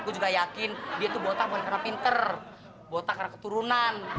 gue juga yakin dia tuh botak bukan karena pinter botak karena keturunan